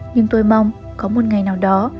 nhưng tôi mong có một ngày nào đó